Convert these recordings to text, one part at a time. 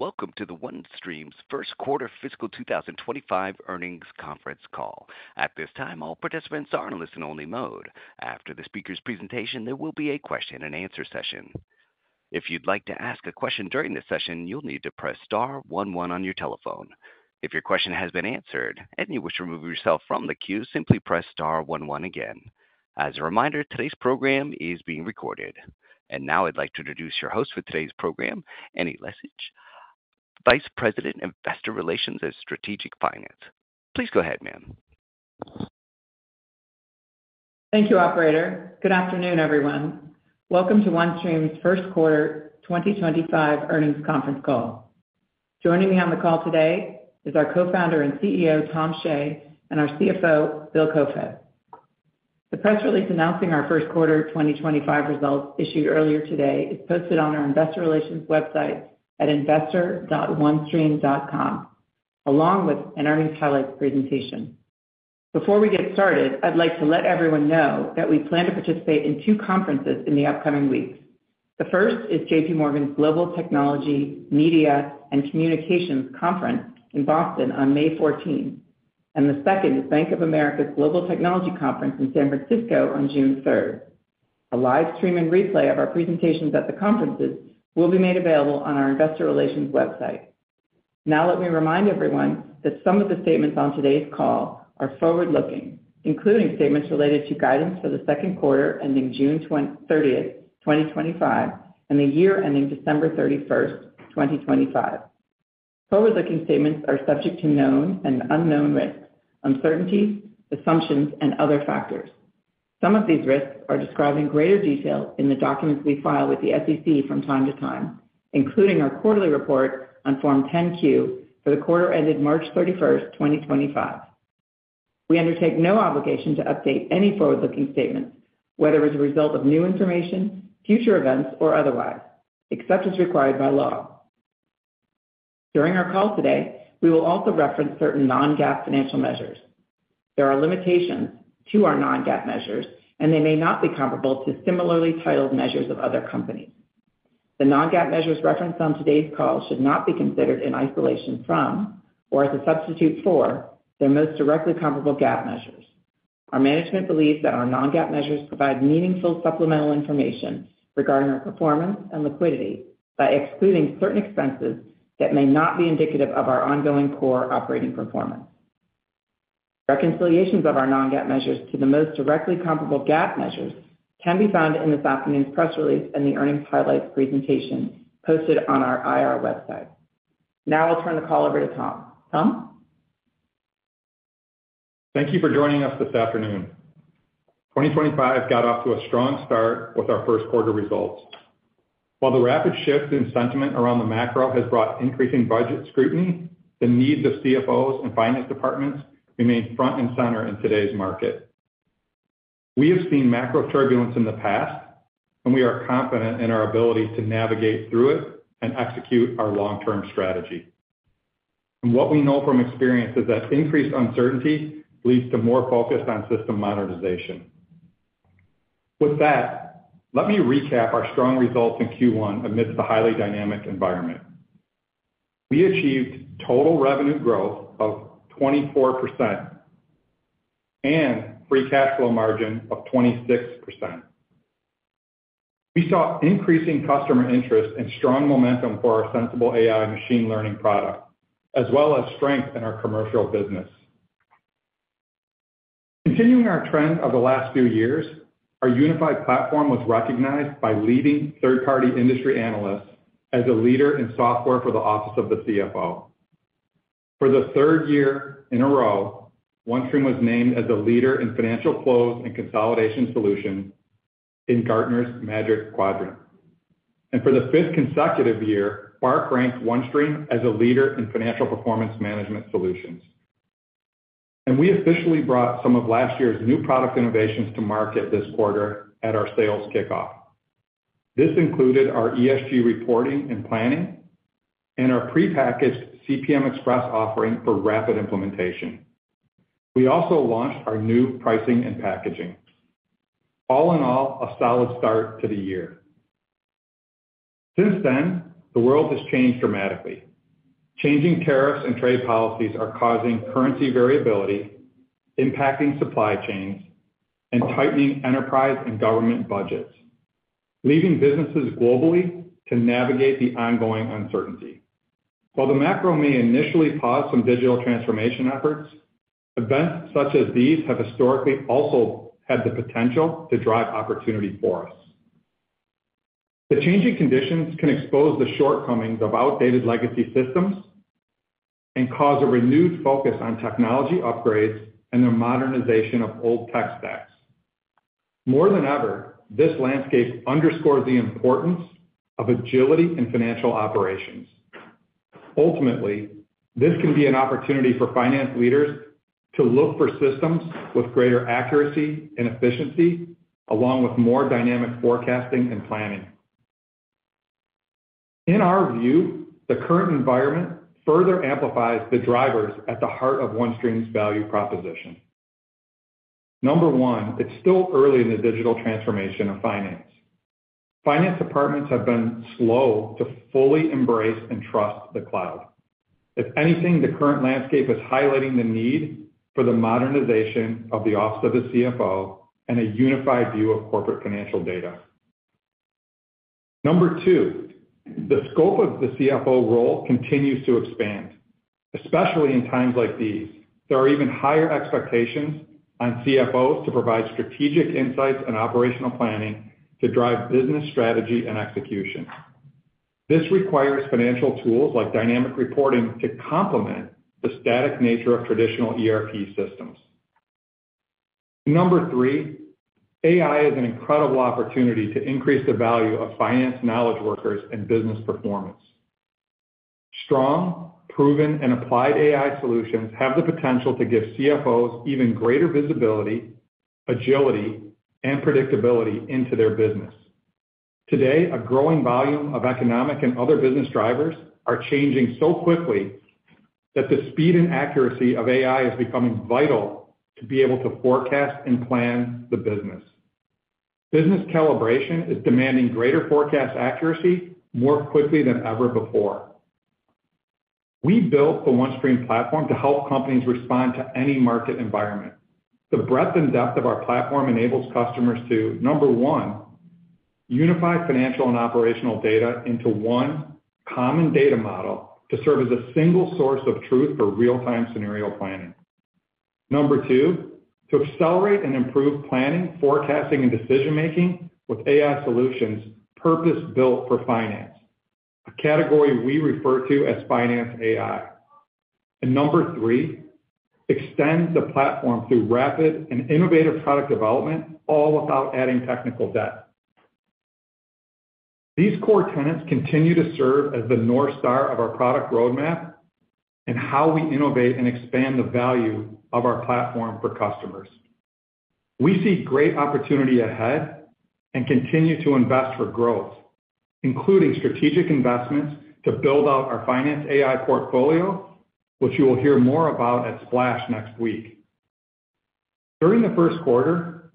Welcome to the OneStream's First Quarter Fiscal 2025 Earnings Conference Call. At this time, all participants are in listen-only mode. After the speaker's presentation, there will be a question and answer session. If you'd like to ask a question during this session, you'll need to press star one one on your telephone. If your question has been answered and you wish to remove yourself from the queue, simply press star one again. As a reminder, today's program is being recorded. Now I'd like to introduce your host for today's program, Annie Leschin, the Vice President, Investor Relations and Strategic Finance. Please go ahead, ma'am. Thank you, operator. Good afternoon, everyone. Welcome to OneStream's First Quarter 2025 earnings conference call. Joining me on the call today is our Co-founder and CEO, Tom Shea, and our CFO, Bill Koefoed. The press release announcing our First Quarter of 2025 results issued earlier today is posted on our investor relations website at investor.onestream.com, along with an earnings highlights presentation. Before we get started, I'd like to let everyone know that we plan to participate in two conferences in the upcoming weeks. The first is J.P. Morgan's Global Technology Media and Communications Conference in Boston on May 14, and the second is Bank of America's Global Technology Conference in San Francisco on June 3rd. A live stream and replay of our presentations at the conferences will be made available on our investor relations website. Now, let me remind everyone that some of the statements on today's call are forward-looking, including statements related to guidance for the second quarter ending June 30th of 2025, and the year ending December 31st of 2025. Forward-looking statements are subject to known and unknown risks, uncertainties, assumptions, and other factors. Some of these risks are described in greater detail in the documents we file with the SEC from time to time, including our quarterly report on Form 10-Q for the quarter ended March 31st, 2025. We undertake no obligation to update any forward-looking statements, whether as a result of new information, future events, or otherwise, except as required by law. During our call today, we will also reference certain non-GAAP financial measures. There are limitations to our non-GAAP measures, and they may not be comparable to similarly titled measures of other companies. The non-GAAP measures referenced on today's call should not be considered in isolation from or as a substitute for their most directly comparable GAAP measures. Our management believes that our non-GAAP measures provide meaningful supplemental information regarding our performance and liquidity by excluding certain expenses that may not be indicative of our ongoing core operating performance. Reconciliations of our non-GAAP measures to the most directly comparable GAAP measures can be found in this afternoon's press release and the earnings highlights presentation posted on our IR website. Now, I'll turn the call over to Tom. Tom? Thank you for joining us this afternoon. 2025 got off to a strong start with our first quarter results. While the rapid shift in sentiment around the macro has brought increasing budget scrutiny, the needs of CFOs and finance departments remain front and center in today's market. We have seen macro turbulence in the past, and we are confident in our ability to navigate through it and execute our long-term strategy. What we know from experience is that increased uncertainty leads to more focus on system modernization. With that, let me recap our strong results in Q1 amidst the highly dynamic environment. We achieved total revenue growth of 24% and free cash flow margin of 26%. We saw increasing customer interest and strong momentum for our Sensible AI machine learning product, as well as strength in our commercial business. Continuing our trend of the last few years, our unified platform was recognized by leading third-party industry analysts as a leader in software for the Office of the CFO. For the third year in a row, OneStream was named as a leader in financial close and consolidation solutions in Gartner's Magic Quadrant. For the fifth consecutive year, BARC ranked OneStream as a leader in financial performance management solutions. We officially brought some of last year's new product innovations to market this quarter at our sales kickoff. This included our ESG Reporting and Planning and our pre-packaged CPM Express offering for rapid implementation. We also launched our new pricing and packaging. All in all, a solid start to the year. Since then, the world has changed dramatically. Changing tariffs and trade policies are causing currency variability, impacting supply chains, and tightening enterprise and government budgets, leaving businesses globally to navigate the ongoing uncertainty. While the macro may initially pause some digital transformation efforts, events such as these have historically also had the potential to drive opportunity for us. The changing conditions can expose the shortcomings of outdated legacy systems and cause a renewed focus on technology upgrades and the modernization of old tech stacks. More than ever, this landscape underscores the importance of agility in financial operations. Ultimately, this can be an opportunity for finance leaders to look for systems with greater accuracy and efficiency, along with more dynamic forecasting and planning. In our view, the current environment further amplifies the drivers at the heart of OneStream's value proposition. Number one, it's still early in the digital transformation of finance. Finance departments have been slow to fully embrace and trust the cloud. If anything, the current landscape is highlighting the need for the modernization of the Office of the CFO and a unified view of corporate financial data. Number two, the scope of the CFO role continues to expand, especially in times like these. There are even higher expectations on CFOs to provide strategic insights on operational planning to drive business strategy and execution. This requires financial tools like dynamic reporting to complement the static nature of traditional ERP systems. Number three, AI is an incredible opportunity to increase the value of finance knowledge workers and business performance. Strong, proven, and applied AI solutions have the potential to give CFOs even greater visibility, agility, and predictability into their business. Today, a growing volume of economic and other business drivers are changing so quickly that the speed and accuracy of AI is becoming vital to be able to forecast and plan the business. Business calibration is demanding greater forecast accuracy more quickly than ever before. We built the OneStream platform to help companies respond to any market environment. The breadth and depth of our platform enables customers to, number one, unify financial and operational data into one common data model to serve as a single source of truth for real-time scenario planning. Number two, to accelerate and improve planning, forecasting, and decision-making with AI solutions purpose-built for finance, a category we refer to as finance AI. Number three, extend the platform through rapid and innovative product development, all without adding technical debt. These core tenets continue to serve as the North Star of our product roadmap and how we innovate and expand the value of our platform for customers. We see great opportunity ahead and continue to invest for growth, including strategic investments to build out our finance AI portfolio, which you will hear more about at Splash next week. During the first quarter,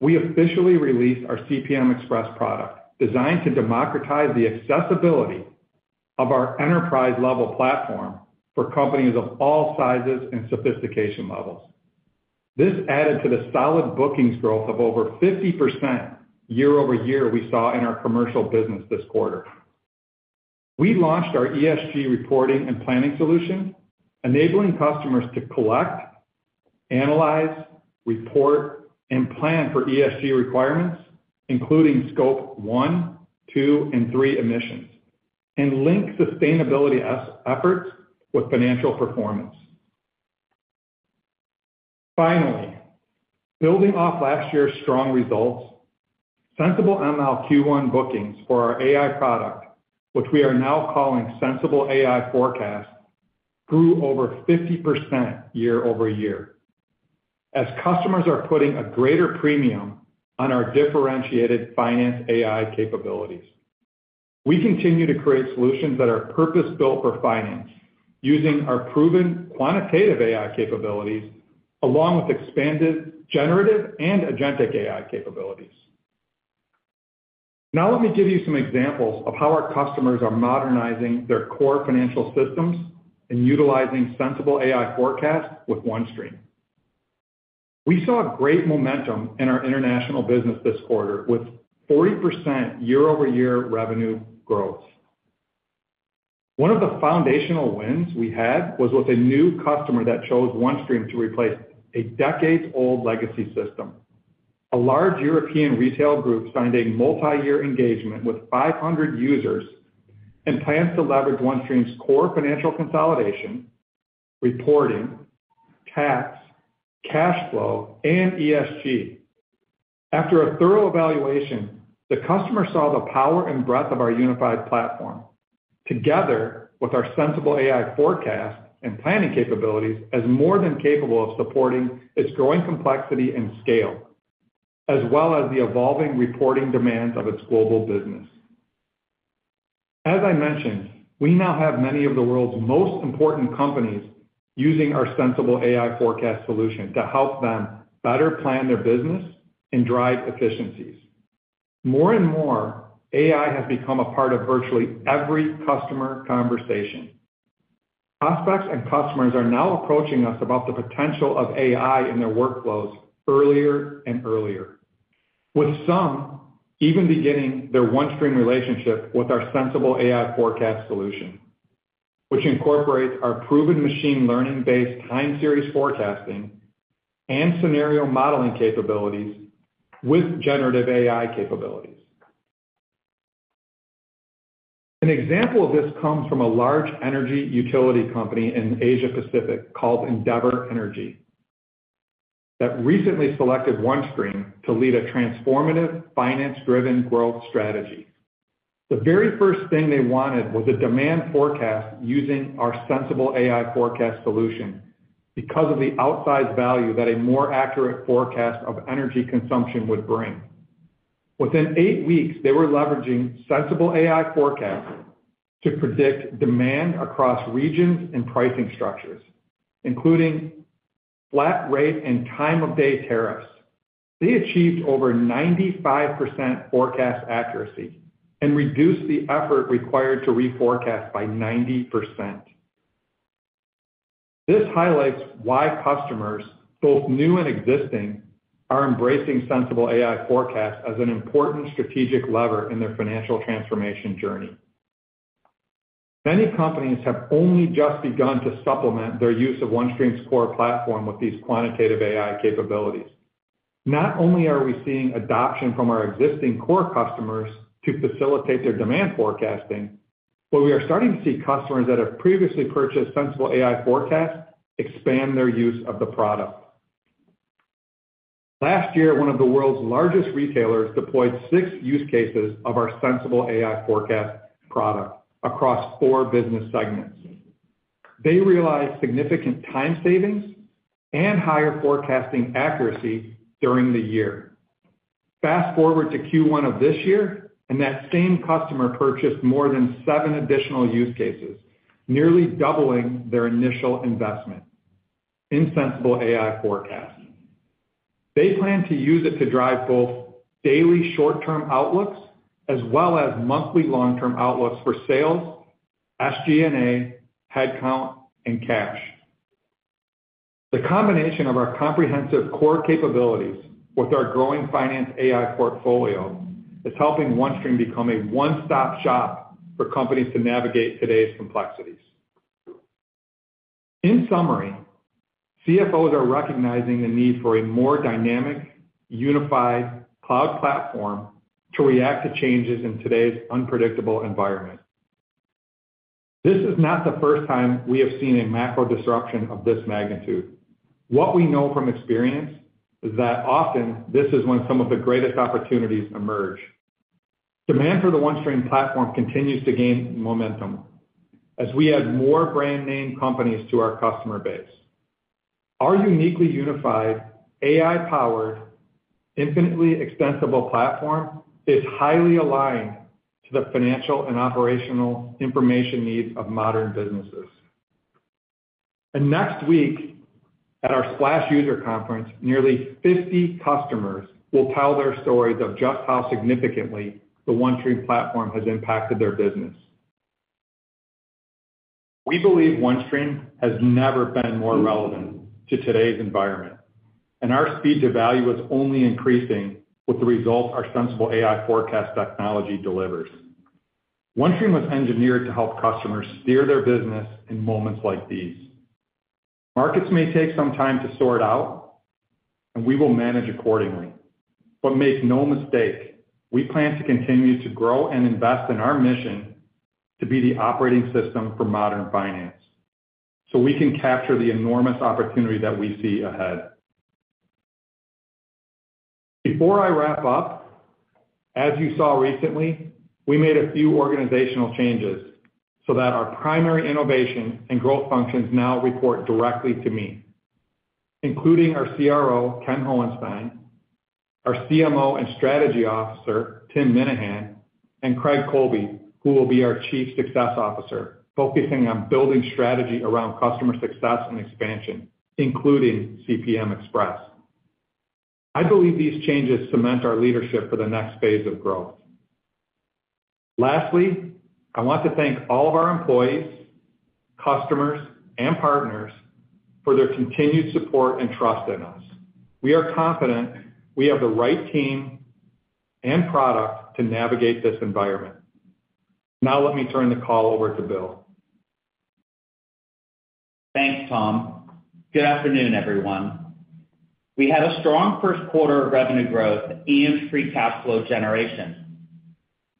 we officially released our CPM Express product designed to democratize the accessibility of our enterprise-level platform for companies of all sizes and sophistication levels. This added to the solid bookings growth of over 50% year over year we saw in our commercial business this quarter. We launched our ESG Reporting and Planning solution, enabling customers to collect, analyze, report, and plan for ESG requirements, including scope one, two, and three emissions, and link sustainability efforts with financial performance. Finally, building off last year's strong results, Sensible ML Q1 bookings for our AI product, which we are now calling Sensible AI Forecast, grew over 50% year over year as customers are putting a greater premium on our differentiated finance AI capabilities. We continue to create solutions that are purpose-built for finance using our proven quantitative AI capabilities, along with expanded generative and agentic AI capabilities. Now, let me give you some examples of how our customers are modernizing their core financial systems and utilizing Sensible AI Forecast with OneStream. We saw great momentum in our international business this quarter with 40% year-over-year revenue growth. One of the foundational wins we had was with a new customer that chose OneStream to replace a decades-old legacy system. A large European retail group signed a multi-year engagement with 500 users and plans to leverage OneStream's core financial consolidation, reporting, tax, cash flow, and ESG. After a thorough evaluation, the customer saw the power and breadth of our unified platform, together with our Sensible AI Forecast and planning capabilities, as more than capable of supporting its growing complexity and scale, as well as the evolving reporting demands of its global business. As I mentioned, we now have many of the world's most important companies using our Sensible AI Forecast solution to help them better plan their business and drive efficiencies. More and more, AI has become a part of virtually every customer conversation. Prospects and customers are now approaching us about the potential of AI in their workflows earlier and earlier, with some even beginning their OneStream relationship with our Sensible AI Forecast solution, which incorporates our proven machine learning-based time series forecasting and scenario modeling capabilities with generative AI capabilities. An example of this comes from a large energy utility company in Asia-Pacific called Endeavour Energy that recently selected OneStream to lead a transformative finance-driven growth strategy. The very first thing they wanted was a demand forecast using our Sensible AI Forecast solution because of the outsized value that a more accurate forecast of energy consumption would bring. Within eight weeks, they were leveraging Sensible AI Forecasts to predict demand across regions and pricing structures, including flat rate and time-of-day tariffs. They achieved over 95% forecast accuracy and reduced the effort required to reforecast by 90%. This highlights why customers, both new and existing, are embracing Sensible AI Forecast as an important strategic lever in their financial transformation journey. Many companies have only just begun to supplement their use of OneStream's core platform with these quantitative AI capabilities. Not only are we seeing adoption from our existing core customers to facilitate their demand forecasting, but we are starting to see customers that have previously purchased Sensible AI Forecast expand their use of the product. Last year, one of the world's largest retailers deployed six use cases of our Sensible AI Forecast product across four business segments. They realized significant time savings and higher forecasting accuracy during the year. Fast forward to Q1 of this year, and that same customer purchased more than seven additional use cases, nearly doubling their initial investment in Sensible AI Forecast. They plan to use it to drive both daily short-term outlooks as well as monthly long-term outlooks for sales, SG&A, headcount, and cash. The combination of our comprehensive core capabilities with our growing finance AI portfolio is helping OneStream become a one-stop shop for companies to navigate today's complexities. In summary, CFOs are recognizing the need for a more dynamic, unified cloud platform to react to changes in today's unpredictable environment. This is not the first time we have seen a macro disruption of this magnitude. What we know from experience is that often this is when some of the greatest opportunities emerge. Demand for the OneStream platform continues to gain momentum as we add more brand-name companies to our customer base. Our uniquely unified AI-powered, infinitely extensible platform is highly aligned to the financial and operational information needs of modern businesses. Next week, at our Splash User Conference, nearly 50 customers will tell their stories of just how significantly the OneStream platform has impacted their business. We believe OneStream has never been more relevant to today's environment, and our speed to value is only increasing with the results our Sensible AI Forecast technology delivers. OneStream was engineered to help customers steer their business in moments like these. Markets may take some time to sort out, and we will manage accordingly. Make no mistake, we plan to continue to grow and invest in our mission to be the operating system for modern finance so we can capture the enormous opportunity that we see ahead. Before I wrap up, as you saw recently, we made a few organizational changes so that our primary innovation and growth functions now report directly to me, including our CRO, Ken Holenstein, our CMO and Strategy Officer, Tim Minnehan, and Craig Colby, who will be our Chief Success Officer, focusing on building strategy around customer success and expansion, including CPM Express. I believe these changes cement our leadership for the next phase of growth. Lastly, I want to thank all of our employees, customers, and partners for their continued support and trust in us. We are confident we have the right team and product to navigate this environment. Now, let me turn the call over to Bill. Thanks, Tom. Good afternoon, everyone. We had a strong first quarter of revenue growth and free cash flow generation.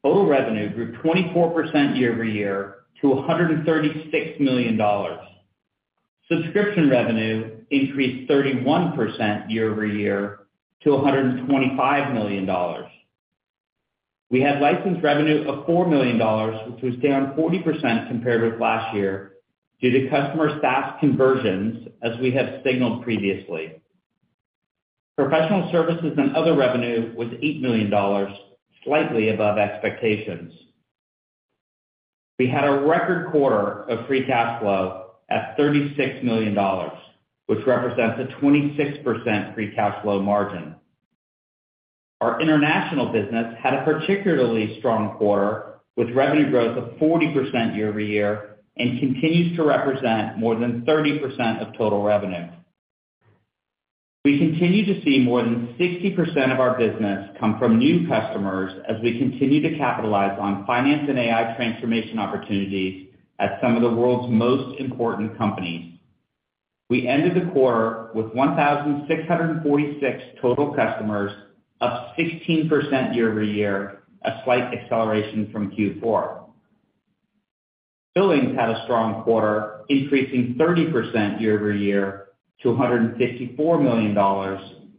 Total revenue grew 24% year over year to $136 million. Subscription revenue increased 31% year-over-year to $125 million. We had license revenue of $4 million, which was down 40% compared with last year due to customer SaaS conversions, as we have signaled previously. Professional services and other revenue was $8 million, slightly above expectations. We had a record quarter of free cash flow at $36 million, which represents a 26% free cash flow margin. Our international business had a particularly strong quarter with revenue growth of 40% year over year and continues to represent more than 30% of total revenue. We continue to see more than 60% of our business come from new customers as we continue to capitalize on finance and AI transformation opportunities at some of the world's most important companies. We ended the quarter with 1,646 total customers, up 16% year-over-year, a slight acceleration from Q4. Billings had a strong quarter, increasing 30% year over year to $154 million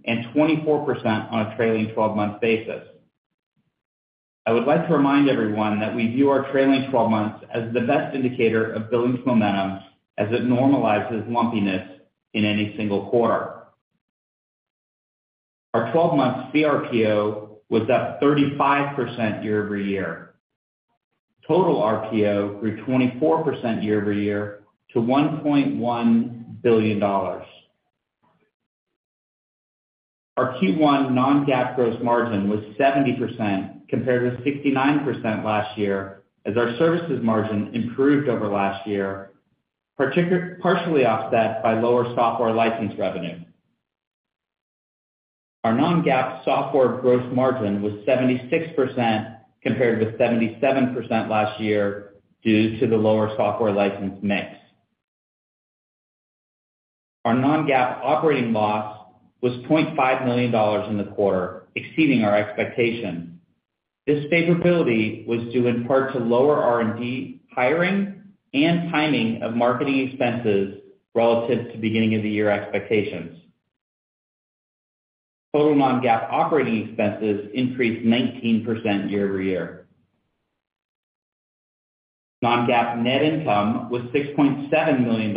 and 24% on a trailing 12-month basis. I would like to remind everyone that we view our trailing 12 months as the best indicator of billings momentum, as it normalizes lumpiness in any single quarter. Our 12-month CRPO was up 35% year-over-year. Total RPO grew 24% year over year to $1.1 billion. Our Q1 non-GAAP gross margin was 70% compared with 69% last year, as our services margin improved over last year, partially offset by lower software license revenue. Our non-GAAP software gross margin was 76% compared with 77% last year due to the lower software license mix. Our non-GAAP operating loss was $0.5 million in the quarter, exceeding our expectation. This favorability was due in part to lower R&D hiring and timing of marketing expenses relative to beginning-of-the-year expectations. Total non-GAAP operating expenses increased 19% year over year. Non-GAAP net income was $6.7 million,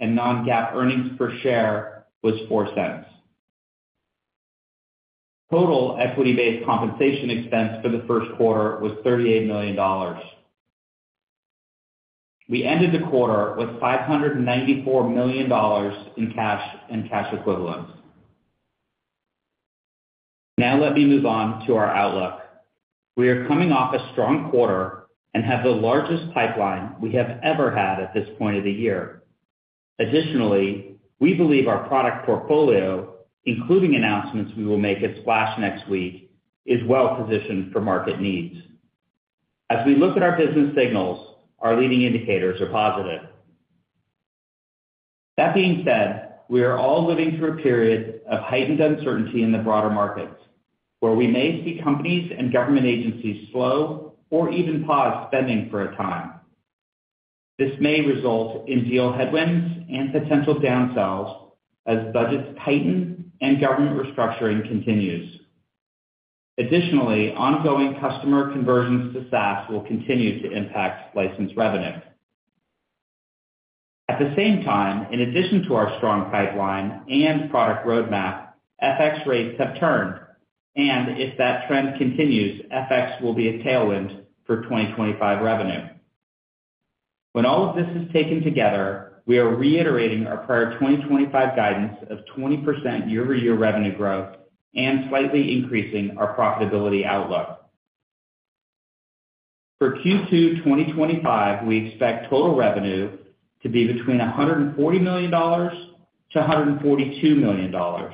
and non-GAAP earnings per share was $0.04. Total equity-based compensation expense for the first quarter was $38 million. We ended the quarter with $594 million in cash and cash equivalents. Now, let me move on to our outlook. We are coming off a strong quarter and have the largest pipeline we have ever had at this point of the year. Additionally, we believe our product portfolio, including announcements we will make at Splash next week, is well-positioned for market needs. As we look at our business signals, our leading indicators are positive. With that being said, we are all living through a period of heightened uncertainty in the broader markets, where we may see companies and government agencies slow or even pause spending for a time. This may result in deal headwinds and potential downsells as budgets tighten and government restructuring continues. Additionally, ongoing customer conversions to SaaS will continue to impact license revenue. At the same time, in addition to our strong pipeline and product roadmap, FX rates have turned, and if that trend continues, FX will be a tailwind for 2025 revenue. When all of this is taken together, we are reiterating our prior 2025 guidance of 20% year-over-year revenue growth and slightly increasing our profitability outlook. For Q2 2025, we expect total revenue to be between $140 million to $142 million.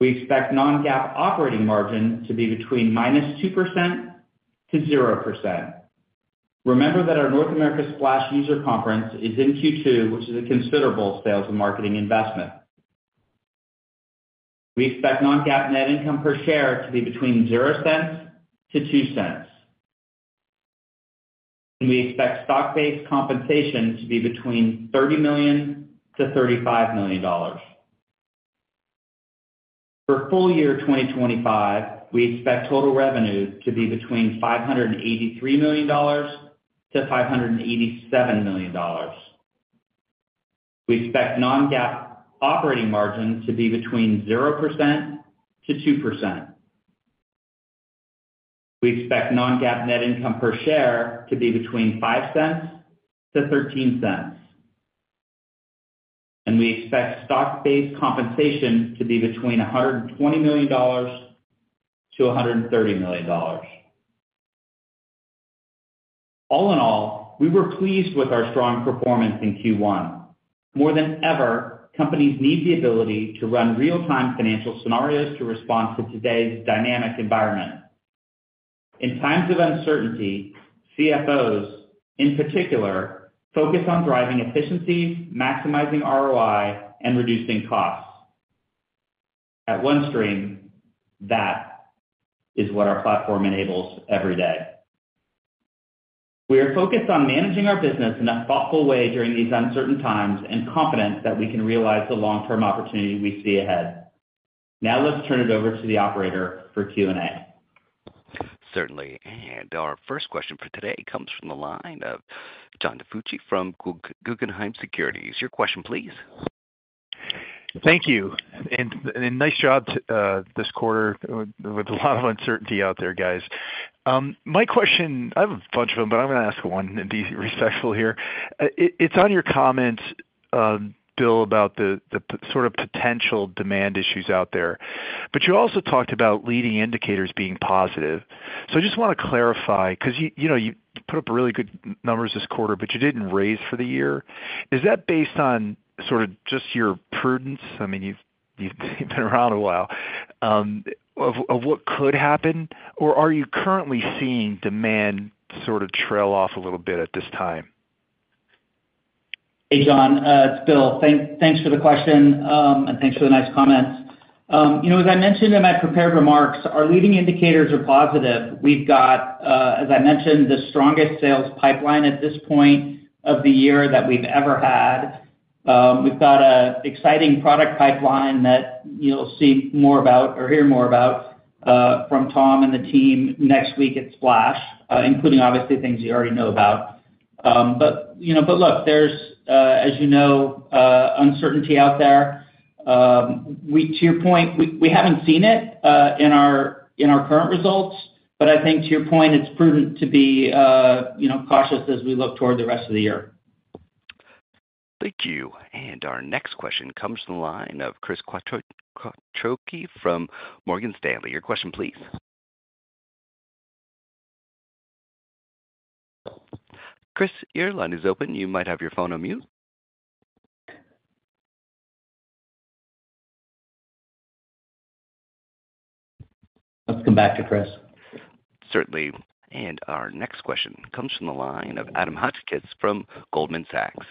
We expect non-GAAP operating margin to be between minus 2% to 0%. Remember that our North America Splash User Conference is in Q2, which is a considerable sales and marketing investment. We expect non-GAAP net income per share to be between $0.00 to $0.02. We expect stock-based compensation to be between $30 million to $35 million. For full year 2025, we expect total revenue to be between $583 million to $587 million. We expect non-GAAP operating margin to be between 0% to 2%. We expect non-GAAP net income per share to be between $0.05 to $0.13. We expect stock-based compensation to be between $120 million to $130 million. All in all, we were pleased with our strong performance in Q1. More than ever, companies need the ability to run real-time financial scenarios to respond to today's dynamic environment. In times of uncertainty, CFOs, in particular, focus on driving efficiency, maximizing ROI, and reducing cost. At OneStream, that is what our platform enables every day. We are focused on managing our business in a thoughtful way during these uncertain times and confident that we can realize the long-term opportunity we see ahead. Now, let's turn it over to the operator for Q&A. Certainly. Our first question for today comes from the line of John DiFucci from Guggenheim Securities. Your question, please. Thank you. Nice job this quarter with a lot of uncertainty out there, guys. My question, I have a bunch of them, but I'm going to ask one and be respectful here. It's on your comments, Bill, about the sort of potential demand issues out there. You also talked about leading indicators being positive. I just want to clarify because you put up really good numbers this quarter, but you didn't raise for the year. Is that based on sort of just your prudence? I mean, you've been around a while of what could happen, or are you currently seeing demand sort of trail off a little bit at this time? Hey, John. It's Bill. Thanks for the question, and thanks for the nice comments. As I mentioned in my prepared remarks, our leading indicators are positive. We've got, as I mentioned, the strongest sales pipeline at this point of the year that we've ever had. We've got an exciting product pipeline that you'll see more about or hear more about from Tom and the team next week at Splash, including, obviously, things you already know about. Look, there's, as you know, uncertainty out there. To your point, we haven't seen it in our current results, but I think, to your point, it's prudent to be cautious as we look toward the rest of the year. Thank you. Our next question comes from the line of Chris Quattrocchi from Morgan Stanley. Your question, please. Chris, your line is open. You might have your phone on mute. Let's come back to Chris. Certainly. Our next question comes from the line of Adam Hotchkiss from Goldman Sachs.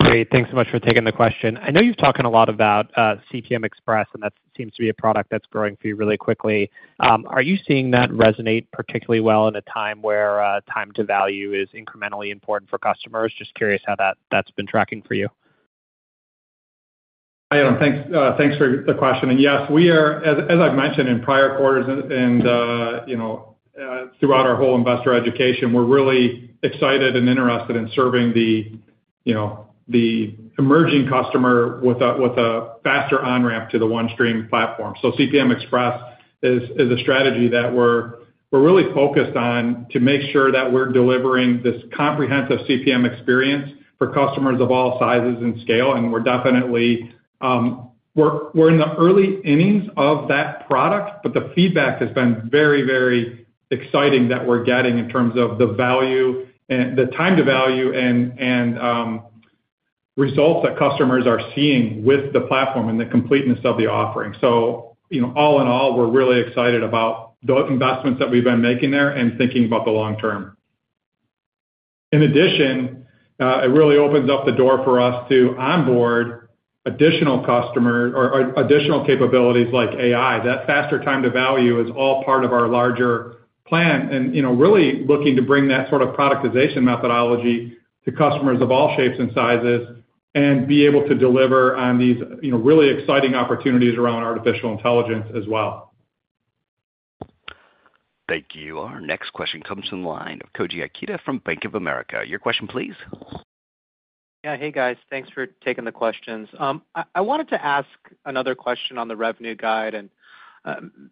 Great. Thanks so much for taking the question. I know you've talked a lot about CPM Express, and that seems to be a product that's growing for you really quickly. Are you seeing that resonate particularly well in a time where time to value is incrementally important for customers? Just curious how that's been tracking for you. Hi, Adam. Thanks for the question. Yes, we are, as I've mentioned in prior quarters and throughout our whole investor education, we're really excited and interested in serving the emerging customer with a faster on-ramp to the OneStream platform. CPM Express is a strategy that we're really focused on to make sure that we're delivering this comprehensive CPM experience for customers of all sizes and scale. We're definitely in the early innings of that product, but the feedback has been very, very exciting that we're getting in terms of the value, the time to value, and results that customers are seeing with the platform and the completeness of the offering. All in all, we're really excited about the investments that we've been making there and thinking about the long term. In addition, it really opens up the door for us to onboard additional customers or additional capabilities like AI. That faster time to value is all part of our larger plan and really looking to bring that sort of productization methodology to customers of all shapes and sizes and be able to deliver on these really exciting opportunities around artificial intelligence as well. Thank you. Our next question comes from the line of Koji Ikeda from Bank of America. Your question, please. Yeah. Hey, guys. Thanks for taking the questions. I wanted to ask another question on the revenue guide and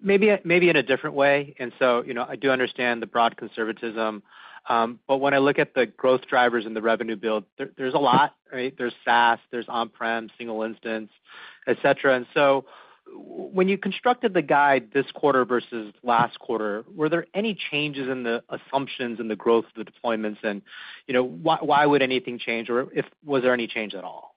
maybe in a different way. I do understand the broad conservatism, but when I look at the growth drivers in the revenue build, there's a lot. There's SaaS, there's on-prem, single instance, et cetera. When you constructed the guide this quarter versus last quarter, were there any changes in the assumptions in the growth of the deployments? Why would anything change, or was there any change at all?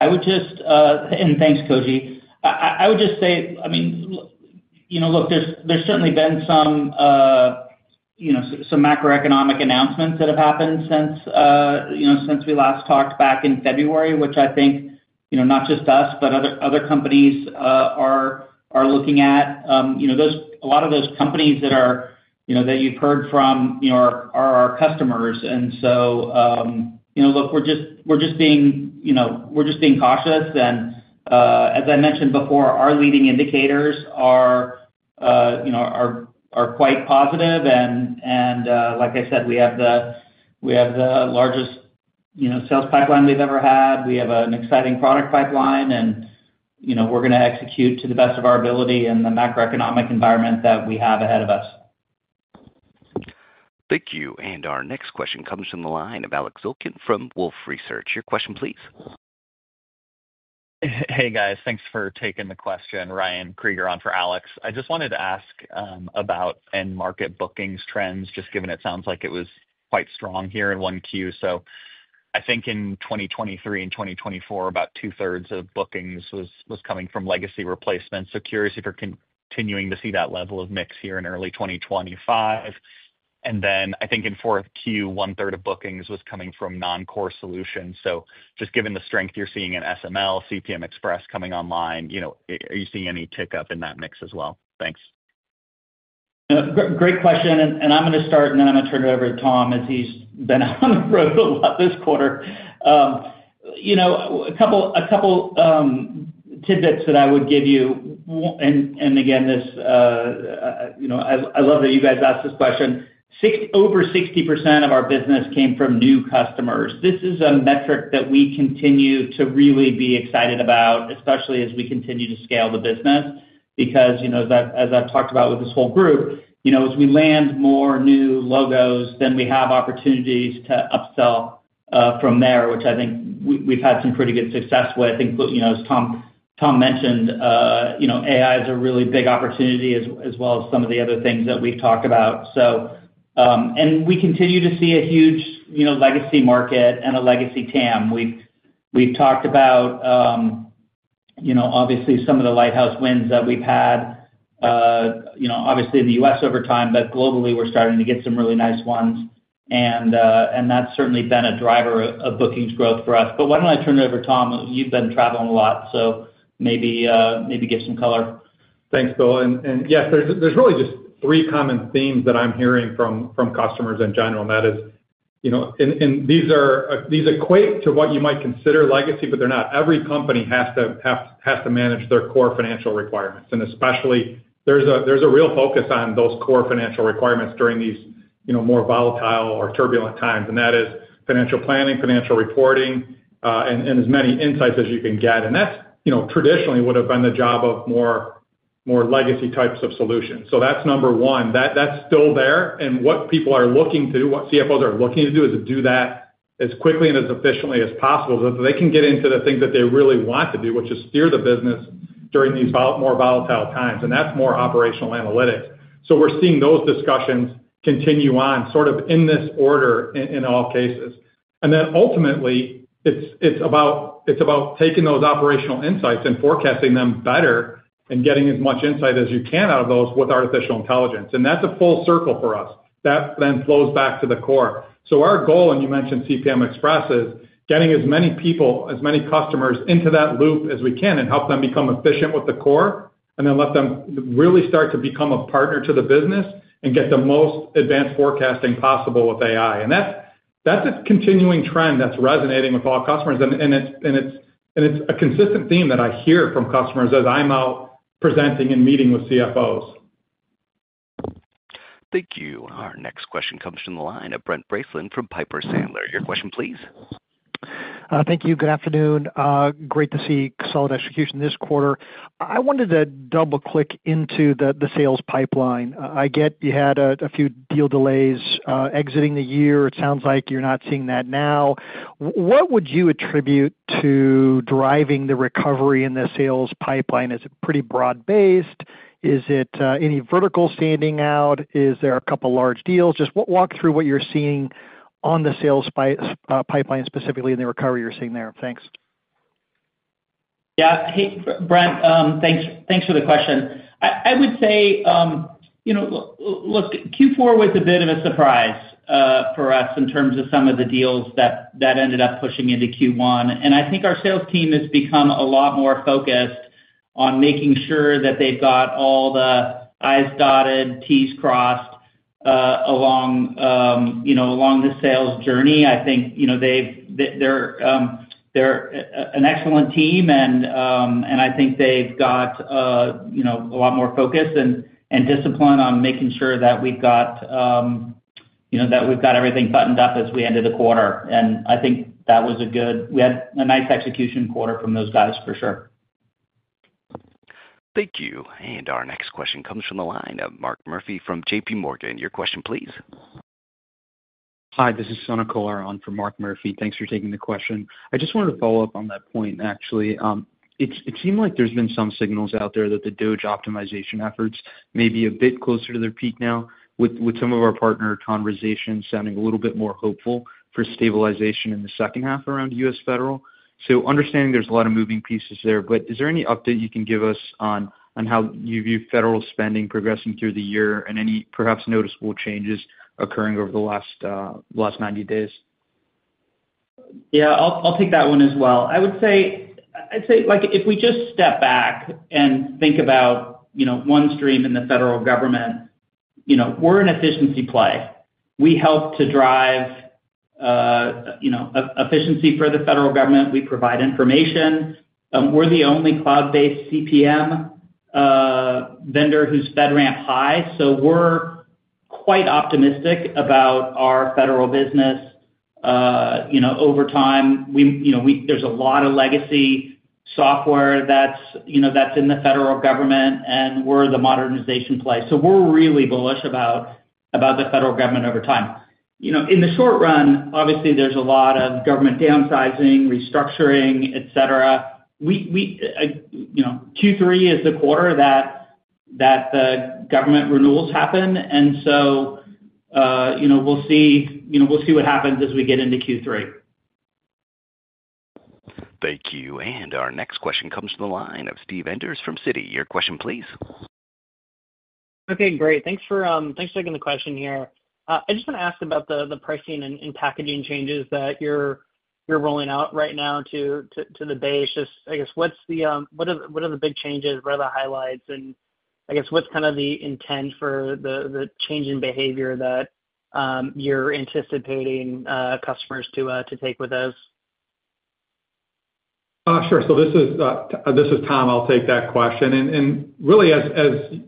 Thanks, Koji. I would just say, I mean, look, there's certainly been some macroeconomic announcements that have happened since we last talked back in February, which I think not just us, but other companies are looking at. A lot of those companies that you've heard from are our customers. Look, we're just being cautious. As I mentioned before, our leading indicators are quite positive. Like I said, we have the largest sales pipeline we've ever had. We have an exciting product pipeline, and we're going to execute to the best of our ability in the macroeconomic environment that we have ahead of us. Thank you. Our next question comes from the line of Alex Zilkin from Wolfe Research. Your question, please. Hey, guys. Thanks for taking the question. Ryan Krieger on for Alex. I just wanted to ask about market bookings trends, just given it sounds like it was quite strong here in Q1. I think in 2023 and 2024, about two-thirds of bookings was coming from legacy replacements. Curious if you're continuing to see that level of mix here in early 2025. I think in Q4, one-third of bookings was coming from non-core solutions. Just given the strength you're seeing in SML, CPM Express coming online, are you seeing any tick up in that mix as well? Thanks. Great question. I'm going to start, and then I'm going to turn it over to Tom as he's been on the road a lot this quarter. A couple tidbits that I would give you. Again, I love that you guys asked this question. Over 60% of our business came from new customers. This is a metric that we continue to really be excited about, especially as we continue to scale the business. Because as I've talked about with this whole group, as we land more new logos, then we have opportunities to upsell from there, which I think we've had some pretty good success with. As Tom mentioned, AI is a really big opportunity as well as some of the other things that we've talked about. We continue to see a huge legacy market and a legacy TAM. We've talked about, obviously, some of the lighthouse wins that we've had, obviously, in the U.S. over time, but globally, we're starting to get some really nice ones. That's certainly been a driver of bookings growth for us. Why don't I turn it over to Tom? You've been traveling a lot, so maybe give some color. Thanks, Bill. Yes, there's really just three common themes that I'm hearing from customers in general. These equate to what you might consider legacy, but they're not. Every company has to manage their core financial requirements. Especially, there's a real focus on those core financial requirements during these more volatile or turbulent times. That is financial planning, financial reporting, and as many insights as you can get. That traditionally would have been the job of more legacy types of solutions. That is number one. That is still there. What people are looking to do, what CFOs are looking to do, is do that as quickly and as efficiently as possible so that they can get into the things that they really want to do, which is steer the business during these more volatile times. That is more operational analytics. We are seeing those discussions continue on sort of in this order in all cases. Ultimately, it is about taking those operational insights and forecasting them better and getting as much insight as you can out of those with artificial intelligence. That is a full circle for us. That then flows back to the core. Our goal, and you mentioned CPM Express, is getting as many people, as many customers into that loop as we can and help them become efficient with the core and then let them really start to become a partner to the business and get the most advanced forecasting possible with AI. That is a continuing trend that is resonating with all customers. It is a consistent theme that I hear from customers as I am out presenting and meeting with CFOs. Thank you. Our next question comes from the line of Brent Braceland from Piper Sandler. Your question, please. Thank you. Good afternoon. Great to see solid execution this quarter. I wanted to double-click into the sales pipeline. I get you had a few deal delays exiting the year. It sounds like you are not seeing that now. What would you attribute to driving the recovery in the sales pipeline? Is it pretty broad-based? Is it any vertical standing out? Is there a couple of large deals? Just walk through what you're seeing on the sales pipeline specifically and the recovery you're seeing there. Thanks. Yeah. Hey, Brent, thanks for the question. I would say, look, Q4 was a bit of a surprise for us in terms of some of the deals that ended up pushing into Q1. I think our sales team has become a lot more focused on making sure that they've got all the I's dotted, T's crossed along the sales journey. I think they're an excellent team, and I think they've got a lot more focus and discipline on making sure that we've got everything buttoned up as we ended the quarter. I think that was a good, we had a nice execution quarter from those guys, for sure. Thank you. Our next question comes from the line of Mark Murphy from J.P. Morgan. Your question, please. Hi, this is Sonic Colaron for Mark Murphy. Thanks for taking the question. I just wanted to follow up on that point, actually. It seemed like there's been some signals out there that the DOGE optimization efforts may be a bit closer to their peak now, with some of our partner conversations sounding a little bit more hopeful for stabilization in the second half around U.S. federal. Understanding there's a lot of moving pieces there, but is there any update you can give us on how you view federal spending progressing through the year and any perhaps noticeable changes occurring over the last 90 days? Yeah. I'll take that one as well. I would say, if we just step back and think about OneStream and the Federal Government, we're an efficiency play. We help to drive efficiency for the Federal Government. We provide information. We're the only cloud-based CPM vendor who's FedRAMP high. So we're quite optimistic about our federal business over time. There's a lot of legacy software that's in the Federal Government, and we're the modernization play. So we're really bullish about the federal government over time. In the short run, obviously, there's a lot of government downsizing, restructuring, et cetera. Q3 is the quarter that the government renewals happen. And so we'll see what happens as we get into Q3. Thank you. Our next question comes from the line of Steve Venters from Citi. Your question, please. Okay. Great. Thanks for taking the question here. I just want to ask about the pricing and packaging changes that you're rolling out right now to the base. I guess, what are the big changes? What are the highlights? I guess, what's kind of the intent for the change in behavior that you're anticipating customers to take with us? Sure. This is Tom. I'll take that question. Really, as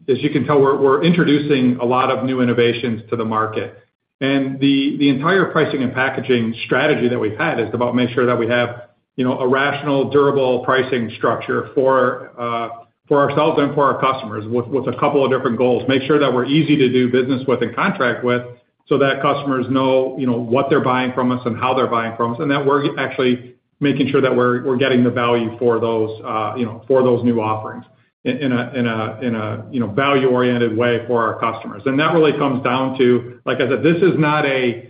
you can tell, we're introducing a lot of new innovations to the market. The entire pricing and packaging strategy that we've had is to make sure that we have a rational, durable pricing structure for ourselves and for our customers with a couple of different goals. Make sure that we're easy to do business with and contract with so that customers know what they're buying from us and how they're buying from us, and that we're actually making sure that we're getting the value for those new offerings in a value-oriented way for our customers. That really comes down to, like I said, this is not a—this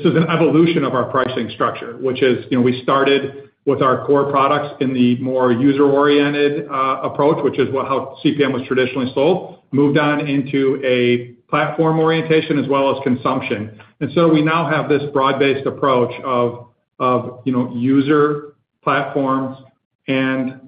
is an evolution of our pricing structure, which is we started with our core products in the more user-oriented approach, which is how CPM was traditionally sold, moved on into a platform orientation as well as consumption. We now have this broad-based approach of user platforms and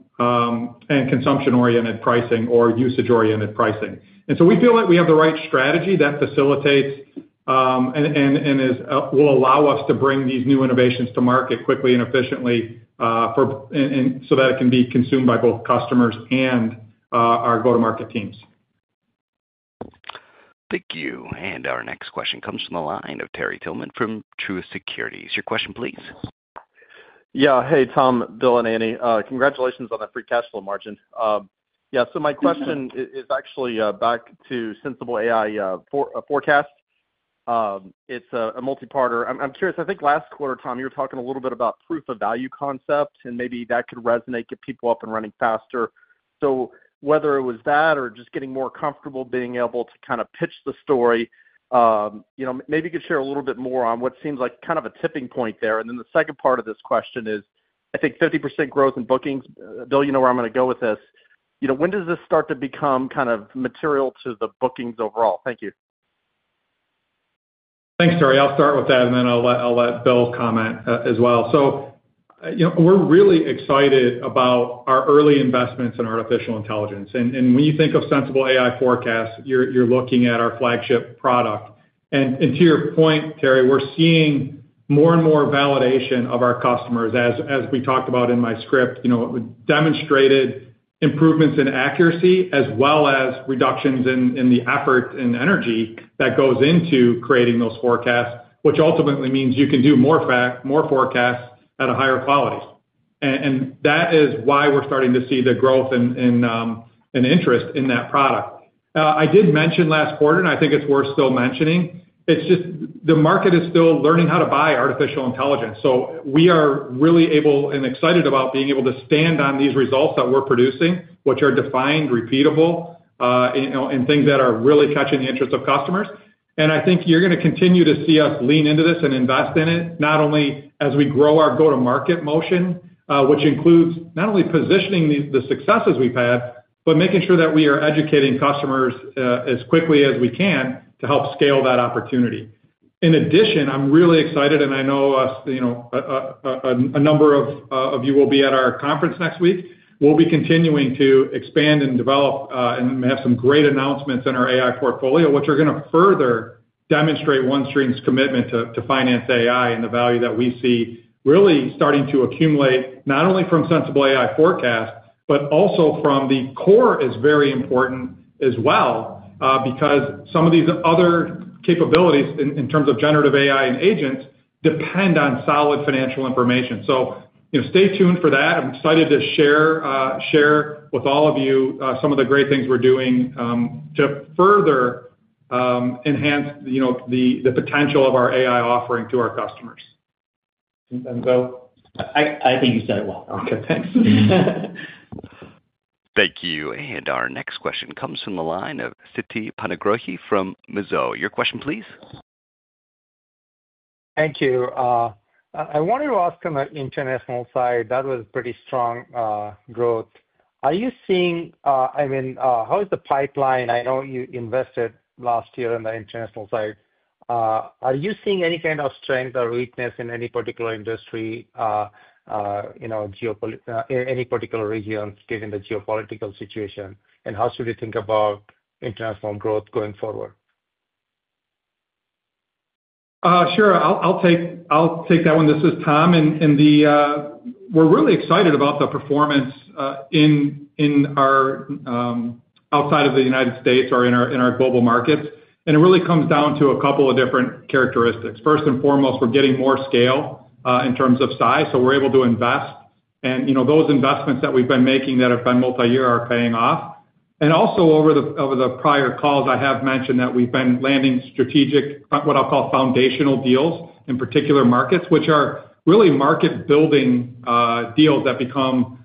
consumption-oriented pricing or usage-oriented pricing. We feel like we have the right strategy that facilitates and will allow us to bring these new innovations to market quickly and efficiently so that it can be consumed by both customers and our go-to-market teams. Thank you. Our next question comes from the line of Terry Tillman from Truist Securities. Your question, please. Yeah. Hey, Tom, Bill, and Annie. Congratulations on the free cash flow margin. Yeah. My question is actually back to Sensible AI Forecast. It's a multi-part. I'm curious. I think last quarter, Tom, you were talking a little bit about proof of value concept, and maybe that could resonate, get people up and running faster. So whether it was that or just getting more comfortable being able to kind of pitch the story, maybe you could share a little bit more on what seems like kind of a tipping point there. And then the second part of this question is, I think, 50% growth in bookings. Bill, you know where I'm going to go with this. When does this start to become kind of material to the bookings overall? Thank you. Thanks, Terry. I'll start with that, and then I'll let Bill comment as well. So we're really excited about our early investments in artificial intelligence. And when you think of Sensible AI Forecast, you're looking at our flagship product. To your point, Terry, we're seeing more and more validation of our customers, as we talked about in my script, demonstrated improvements in accuracy as well as reductions in the effort and energy that goes into creating those forecasts, which ultimately means you can do more forecasts at a higher quality. That is why we're starting to see the growth and interest in that product. I did mention last quarter, and I think it's worth still mentioning. It's just the market is still learning how to buy artificial intelligence. We are really able and excited about being able to stand on these results that we're producing, which are defined, repeatable, and things that are really catching the interest of customers. I think you're going to continue to see us lean into this and invest in it, not only as we grow our go-to-market motion, which includes not only positioning the successes we've had, but making sure that we are educating customers as quickly as we can to help scale that opportunity. In addition, I'm really excited, and I know a number of you will be at our conference next week. We'll be continuing to expand and develop and have some great announcements in our AI portfolio, which are going to further demonstrate OneStream's commitment to finance AI and the value that we see really starting to accumulate not only from Sensible AI Forecast, but also from the core is very important as well because some of these other capabilities in terms of generative AI and agents depend on solid financial information. Stay tuned for that. I'm excited to share with all of you some of the great things we're doing to further enhance the potential of our AI offering to our customers and Bill. I think you said it well. Okay. Thanks Thank you. Our next question comes from the line of Citi Panagrohi from Mizzou. Your question, please. Thank you. I wanted to ask on the international side. That was a pretty strong growth. Are you seeing—I mean, how is the pipeline? I know you invested last year in the international side. Are you seeing any kind of strength or weakness in any particular industry, any particular region given the geopolitical situation? How should we think about international growth going forward? Sure. I'll take that one. This is Tom. We're really excited about the performance outside of the United States or in our global markets. It really comes down to a couple of different characteristics. First and foremost, we're getting more scale in terms of size so we're able to invest. Those investments that we've been making that have been multi-year are paying off. Over the prior calls, I have mentioned that we've been landing strategic, what I'll call foundational deals in particular markets, which are really market-building deals that become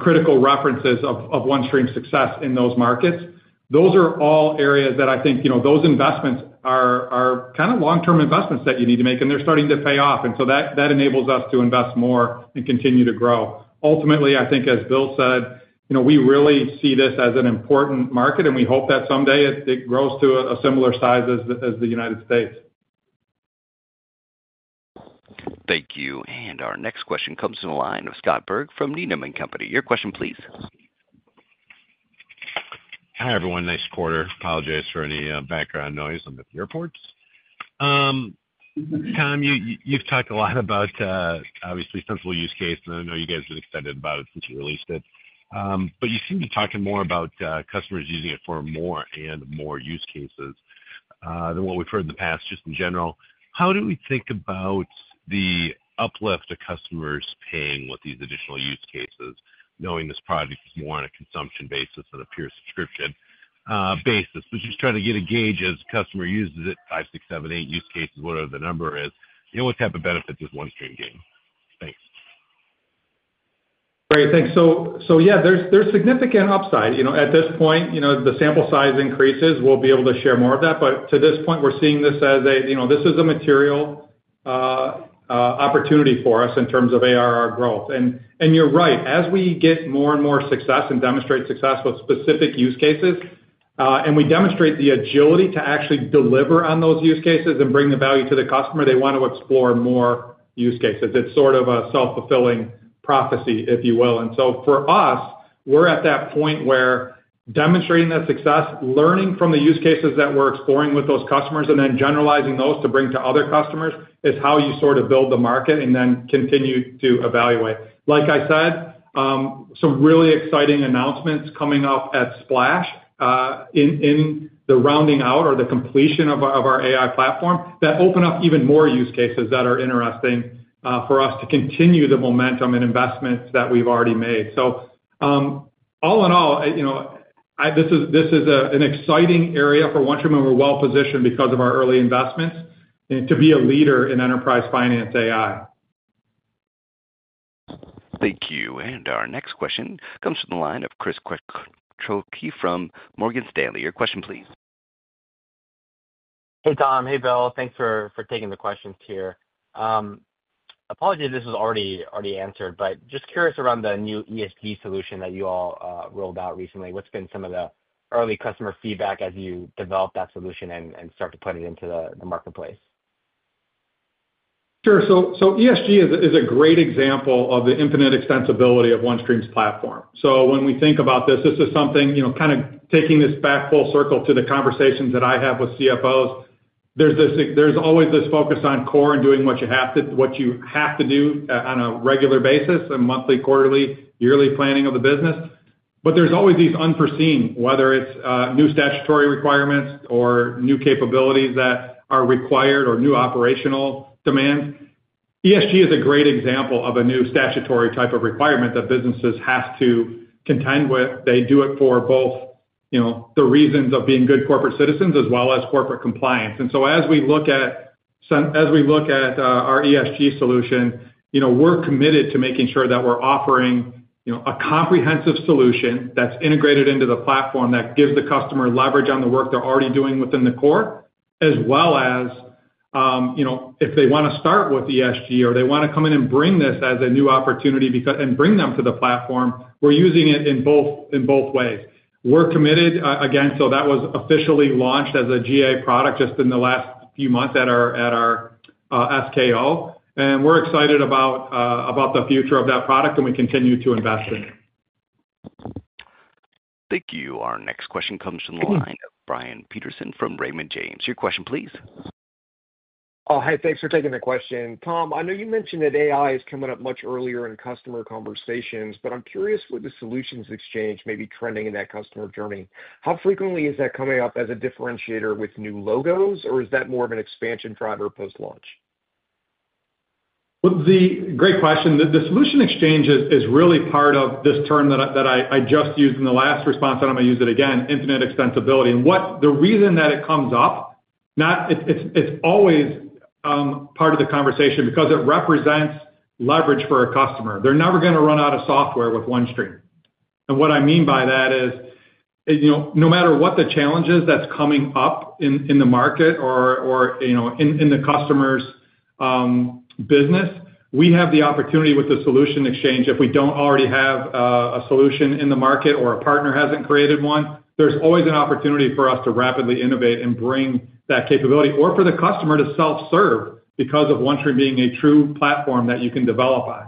critical references of OneStream's success in those markets. Those are all areas that I think those investments are kind of long-term investments that you need to make, and they're starting to pay off. That enables us to invest more and continue to grow. Ultimately, I think, as Bill said, we really see this as an important market, and we hope that someday it grows to a similar size as the United States. Thank you. Our next question comes from the line of Scott Berg from Needham & Company. Your question, please. Hi, everyone. Nice quarter. Apologize for any background noise on the airports. Tom, you've talked a lot about, obviously, Sensible use case, and I know you guys have been excited about it since you released it. You seem to be talking more about customers using it for more and more use cases than what we've heard in the past, just in general. How do we think about the uplift of customers paying with these additional use cases, knowing this product is more on a consumption basis than a pure subscription base? We're just trying to get a gauge as customer uses it, five, six, seven, eight use cases, whatever the number is, what type of benefits does OneStream gain? Thanks. Great. Thanks. Yeah, there's significant upside. At this point, the sample size increases. We'll be able to share more of that. To this point, we're seeing this as a—this is a material opportunity for us in terms of ARR growth. You're right. As we get more and more success and demonstrate success with specific use cases, and we demonstrate the agility to actually deliver on those use cases and bring the value to the customer, they want to explore more use cases. It's sort of a self-fulfilling prophecy, if you will. For us, we're at that point where demonstrating that success, learning from the use cases that we're exploring with those customers, and then generalizing those to bring to other customers is how you sort of build the market and then continue to evaluate. Like I said, some really exciting announcements coming up at Splash in the rounding out or the completion of our AI platform that open up even more use cases that are interesting for us to continue the momentum and investments that we've already made. All in all, this is an exciting area for OneStream, and we're well-positioned because of our early investments to be a leader in enterprise finance AI. Thank you. Our next question comes from the line of Chris Cholke from Morgan Stanley. Your question, please. Hey, Tom. Hey, Bill. Thanks for taking the questions here. Apologies if this was already answered, but just curious around the new ESG solution that you all rolled out recently. What's been some of the early customer feedback as you developed that solution and started to put it into the marketplace? Sure. ESG is a great example of the infinite extensibility of OneStream's platform. When we think about this, this is something kind of taking this back full circle to the conversations that I have with CFOs. There's always this focus on core and doing what you have to do on a regular basis, a monthly, quarterly, yearly planning of the business. There's always these unforeseen, whether it's new statutory requirements or new capabilities that are required or new operational demands. ESG is a great example of a new statutory type of requirement that businesses have to contend with. They do it for both the reasons of being good corporate citizens as well as corporate compliance. As we look at our ESG solution, we're committed to making sure that we're offering a comprehensive solution that's integrated into the platform that gives the customer leverage on the work they're already doing within the core, as well as if they want to start with ESG or they want to come in and bring this as a new opportunity and bring them to the platform, we're using it in both ways. We're committed, again, so that was officially launched as a GA product just in the last few months at our SKO. We're excited about the future of that product, and we continue to invest in it. Thank you. Our next question comes from the line of Brian Peterson from Raymond James. Your question, please. Oh, hey, thanks for taking the question. Tom, I know you mentioned that AI is coming up much earlier in customer conversations, but I'm curious what the Solution Exchange may be trending in that customer journey. How frequently is that coming up as a differentiator with new logos, or is that more of an expansion driver post-launch? Great question. The Solution Exchange is really part of this term that I just used in the last response, and I'm going to use it again, infinite extensibility. The reason that it comes up, it's always part of the conversation because it represents leverage for a customer. They're never going to run out of software with OneStream. What I mean by that is, no matter what the challenge that's coming up in the market or in the customer's business, we have the opportunity with the Solution Exchange. If we do not already have a solution in the market or a partner has not created one, there is always an opportunity for us to rapidly innovate and bring that capability or for the customer to self-serve because of OneStream being a true platform that you can develop on.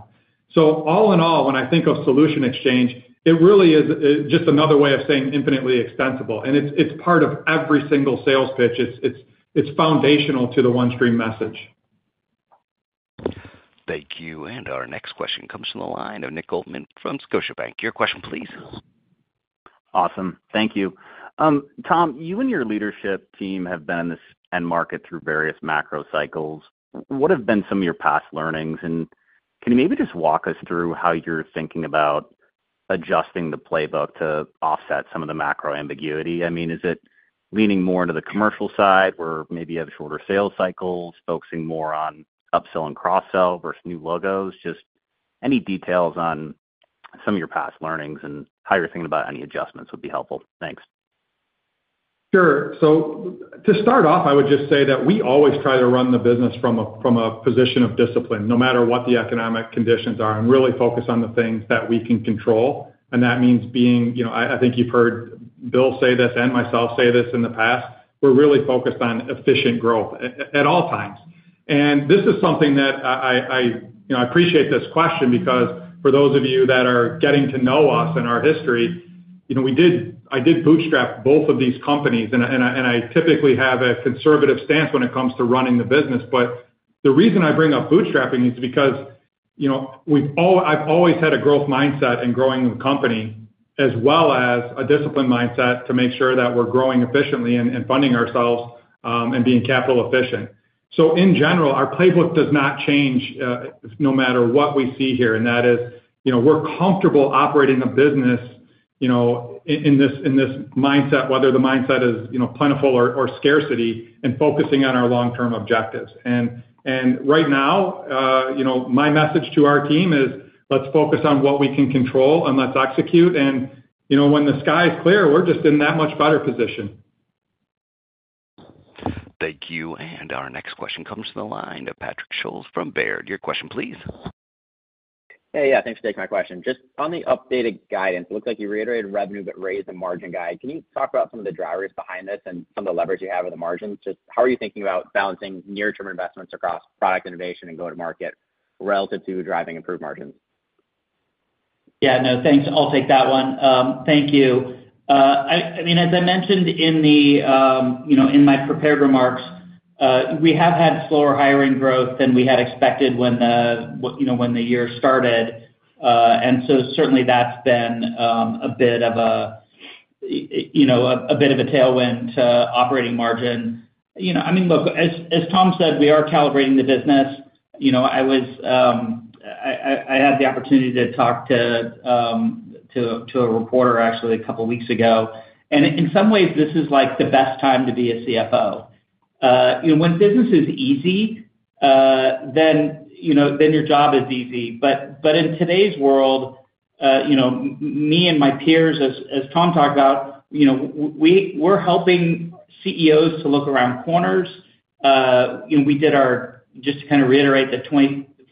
All in all, when I think of Solution Exchange, it really is just another way of saying infinitely extensible. It is part of every single sales pitch. It is foundational to the OneStream message. Thank you. Our next question comes from the line of Nick Goldman from Scotiabank. Your question, please. Awesome. Thank you. Tom, you and your leadership team have been in this end market through various macro cycles. What have been some of your past learnings? Can you maybe just walk us through how you are thinking about adjusting the playbook to offset some of the macro ambiguity? I mean, is it leaning more into the commercial side where maybe you have shorter sales cycles, focusing more on upsell and cross-sell versus new logos? Just any details on some of your past learnings and how you're thinking about any adjustments would be helpful. Thanks. Sure. To start off, I would just say that we always try to run the business from a position of discipline, no matter what the economic conditions are, and really focus on the things that we can control. That means being, I think you've heard Bill say this and myself say this in the past, we're really focused on efficient growth at all times. This is something that I appreciate this question because for those of you that are getting to know us and our history, I did bootstrap both of these companies, and I typically have a conservative stance when it comes to running the business. The reason I bring up bootstrapping is because I've always had a growth mindset in growing the company as well as a discipline mindset to make sure that we're growing efficiently and funding ourselves and being capital efficient. In general, our playbook does not change no matter what we see here. That is, we're comfortable operating a business in this mindset, whether the mindset is plentiful or scarcity, and focusing on our long-term objectives. Right now, my message to our team is, let's focus on what we can control and let's execute. When the sky is clear, we're just in that much better position. Thank you. Our next question comes from the line of Patrick Scholes from Baird. Your question, please. Hey, yeah. Thanks for taking my question. Just on the updated guidance, it looks like you reiterated revenue but raised the margin guide. Can you talk about some of the drivers behind this and some of the levers you have with the margins? Just how are you thinking about balancing near-term investments across product innovation and go-to-market relative to driving improved margins? Yeah. No, thanks. I'll take that one. Thank you. I mean, as I mentioned in my prepared remarks, we have had slower hiring growth than we had expected when the year started. Certainly, that's been a bit of a tailwind to operating margin. I mean, look, as Tom said, we are calibrating the business. I had the opportunity to talk to a reporter, actually, a couple of weeks ago. In some ways, this is the best time to be a CFO. When business is easy, then your job is easy. In today's world, me and my peers, as Tom talked about, we're helping CEOs to look around corners. We did our—just to kind of reiterate the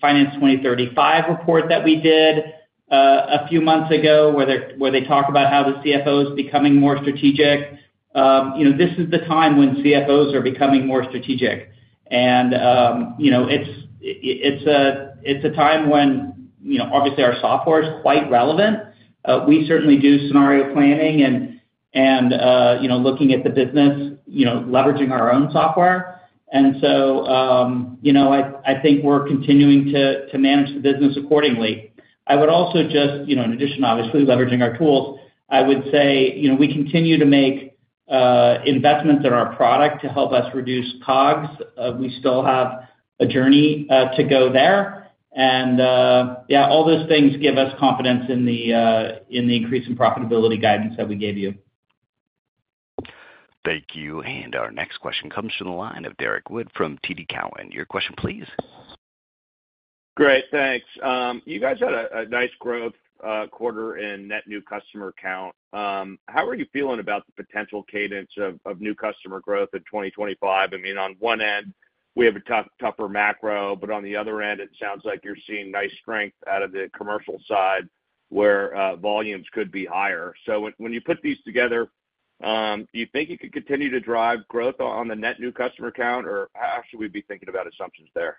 Finance 2035 report that we did a few months ago where they talk about how the CFO is becoming more strategic. This is the time when CFOs are becoming more strategic. It's a time when, obviously, our software is quite relevant. We certainly do scenario planning and looking at the business, leveraging our own software. I think we're continuing to manage the business accordingly. I would also just, in addition, obviously, leveraging our tools, I would say we continue to make investments in our product to help us reduce COGS. We still have a journey to go there. Yeah, all those things give us confidence in the increase in profitability guidance that we gave you. Thank you. Our next question comes from the line of Derek Wood from TD Cowen. Your question, please. Great. Thanks. You guys had a nice growth quarter in net new customer count. How are you feeling about the potential cadence of new customer growth in 2025? I mean, on one end, we have a tougher macro, but on the other end, it sounds like you're seeing nice strength out of the commercial side where volumes could be higher. When you put these together, do you think you could continue to drive growth on the net new customer count, or how should we be thinking about assumptions there?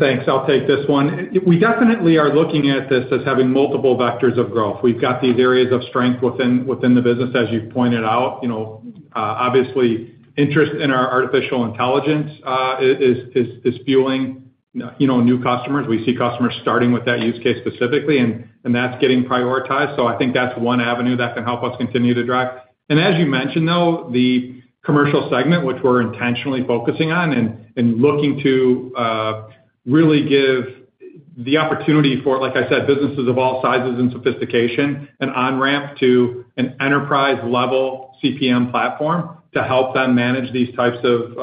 Thanks. I'll take this one. We definitely are looking at this as having multiple vectors of growth. We've got these areas of strength within the business, as you've pointed out. Obviously, interest in our artificial intelligence is fueling new customers. We see customers starting with that use case specifically, and that's getting prioritized. I think that's one avenue that can help us continue to drive. As you mentioned, though, the commercial segment, which we're intentionally focusing on and looking to really give the opportunity for, like I said, businesses of all sizes and sophistication, an on-ramp to an enterprise-level CPM platform to help them manage these types of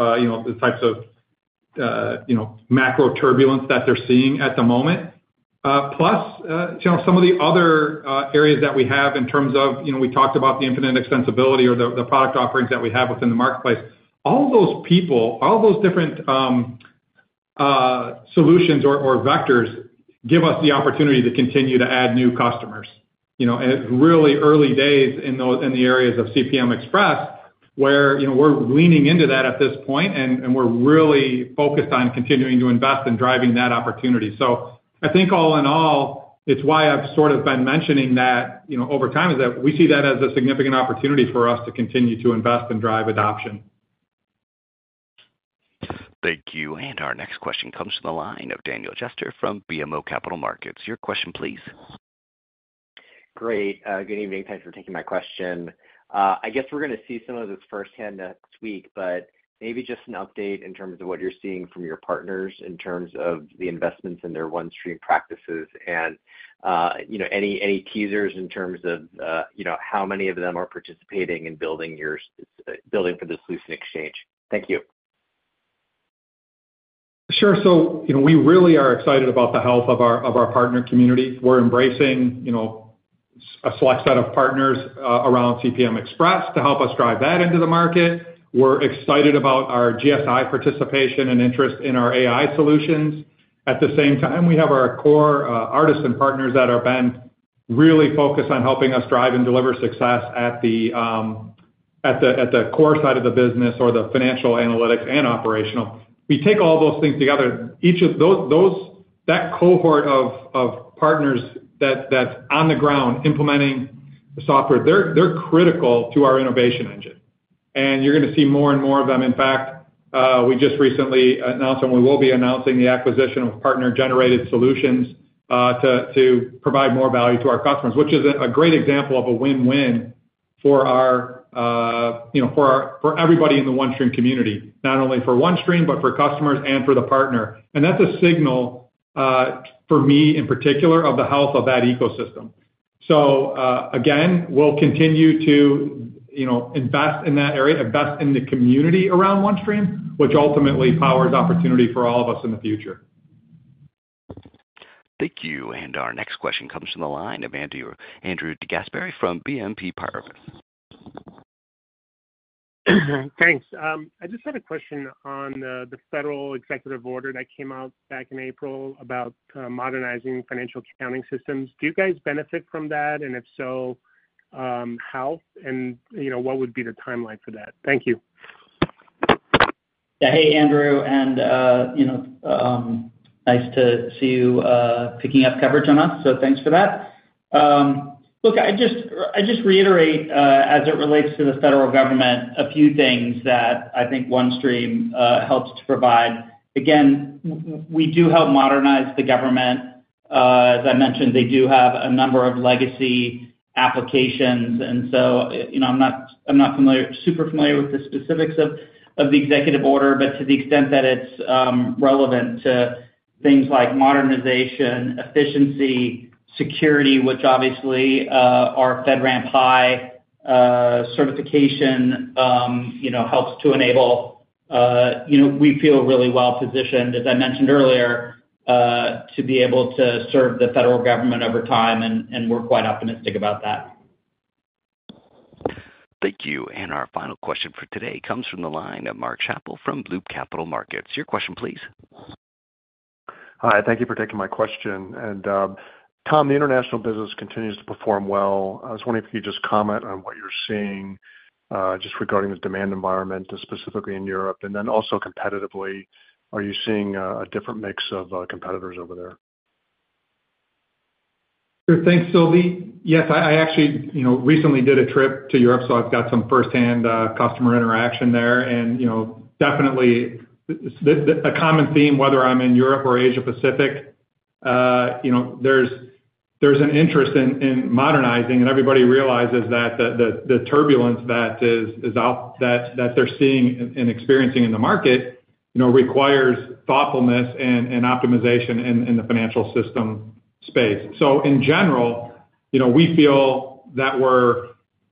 macro turbulence that they're seeing at the moment. Plus, some of the other areas that we have in terms of we talked about the infinite extensibility or the product offerings that we have within the marketplace. All those people, all those different solutions or vectors give us the opportunity to continue to add new customers. It's really early days in the areas of CPM Express where we're leaning into that at this point, and we're really focused on continuing to invest and driving that opportunity. I think all in all, it's why I've sort of been mentioning that over time is that we see that as a significant opportunity for us to continue to invest and drive adoption. Thank you. Our next question comes from the line of Daniel Chester from BMO Capital Markets. Your question, please. Great. Good evening. Thanks for taking my question. I guess we're going to see some of this firsthand next week, but maybe just an update in terms of what you're seeing from your partners in terms of the investments in their OneStream practices and any teasers in terms of how many of them are participating in building for this Solution Exchange. Thank you. Sure. We really are excited about the health of our partner community. We're embracing a select set of partners around CPM Express to help us drive that into the market. We're excited about our GSI participation and interest in our AI solutions. At the same time, we have our core artists and partners that have been really focused on helping us drive and deliver success at the core side of the business or the financial analytics and operational. We take all those things together. That cohort of partners that's on the ground implementing the software, they're critical to our innovation engine. You're going to see more and more of them. In fact, we just recently announced, and we will be announcing the acquisition of partner-generated solutions to provide more value to our customers, which is a great example of a win-win for everybody in the OneStream community, not only for OneStream, but for customers and for the partner. That's a signal for me in particular of the health of that ecosystem. Again, we'll continue to invest in that area, invest in the community around OneStream, which ultimately powers opportunity for all of us in the future. Thank you. Our next question comes from the line of Andrew DeGasperi from BNP Paribas. Thanks. I just had a question on the federal executive order that came out back in April about modernizing financial accounting systems. Do you guys benefit from that? If so, how? What would be the timeline for that? Thank you. Yeah. Hey, Andrew. Nice to see you picking up coverage on us. Thanks for that. Look, I just reiterate, as it relates to the Federal Government, a few things that I think OneStream helps to provide. Again, we do help modernize the government. As I mentioned, they do have a number of legacy applications. I'm not super familiar with the specifics of the executive order, but to the extent that it's relevant to things like modernization, efficiency, security, which obviously our FedRAMP high certification helps to enable, we feel really well-positioned, as I mentioned earlier, to be able to serve the federal government over time, and we're quite optimistic about that. Thank you. Our final question for today comes from the line of Mark Chappell from Bloom Capital Markets. Your question, please. Hi. Thank you for taking my question. Tom, the international business continues to perform well. I was wondering if you could just comment on what you're seeing just regarding the demand environment, specifically in Europe, and then also competitively, are you seeing a different mix of competitors over there? Thanks, Sylvie. Yes, I actually recently did a trip to Europe, so I've got some firsthand customer interaction there. A common theme, whether I'm in Europe or Asia-Pacific, there's an interest in modernizing. Everybody realizes that the turbulence that they're seeing and experiencing in the market requires thoughtfulness and optimization in the financial system space. In general, we feel that we're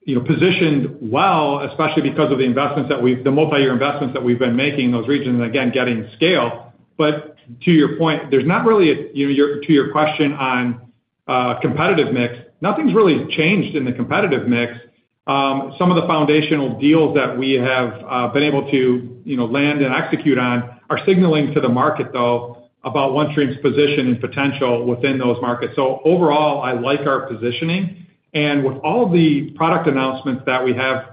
positioned well, especially because of the multi-year investments that we've been making in those regions and, again, getting scale. To your point, there's not really a—to your question on competitive mix, nothing's really changed in the competitive mix. Some of the foundational deals that we have been able to land and execute on are signaling to the market, though, about OneStream's position and potential within those markets. Overall, I like our positioning. With all the product announcements that we have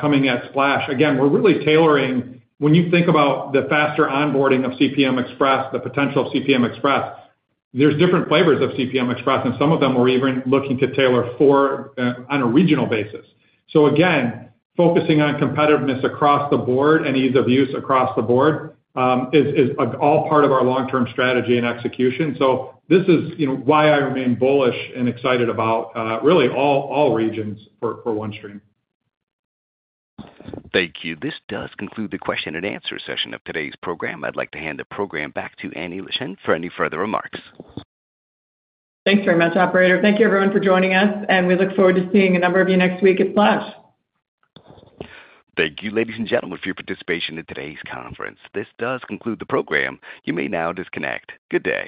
coming at Splash, again, we're really tailoring. When you think about the faster onboarding of CPM Express, the potential of CPM Express, there's different flavors of CPM Express, and some of them we're even looking to tailor on a regional basis. Again, focusing on competitiveness across the board and ease of use across the board is all part of our long-term strategy and execution. This is why I remain bullish and excited about really all regions for OneStream. Thank you. This does conclude the question-and-answer session of today's program. I'd like to hand the program back to Annie Leschin for any further remarks. Thanks very much, Operator. Thank you, everyone, for joining us. We look forward to seeing a number of you next week at Splash. Thank you, ladies and gentlemen, for your participation in today's conference. This does conclude the program. You may now disconnect. Good day.